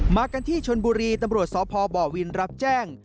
มากันที่ชนบุรีตำรวจสพบวินรับแจ้ง